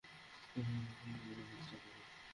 ওকে দেখে একটু হাসতেও তো পারো।